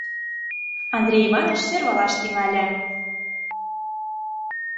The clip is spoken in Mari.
— Андрей Иваныч сӧрвалаш тӱҥале.